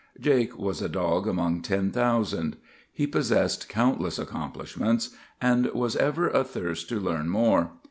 "Jake was a dog among ten thousand. He possessed countless accomplishments, and was ever athirst to learn more.